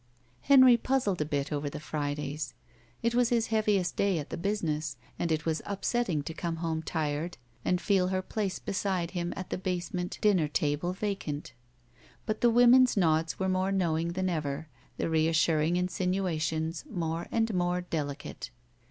Henry puzzled a bit over the Fridays. It was his heaviest day at the business, and it was upsetting to come home tired and feel her place beside him at the basement dinner table vacant. But the women's nods were more knowing than ever, the reassuring insinuations more and more delicate.